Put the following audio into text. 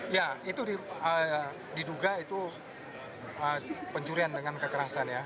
ya itu diduga itu pencurian dengan kekerasan ya